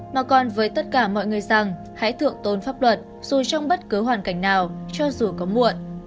mà còn với tất cả mọi người rằng hãy thượng tôn pháp luật dù trong bất cứ hoàn cảnh nào cho dù có muộn